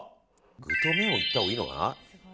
具と麺をいったほうがいいのかな。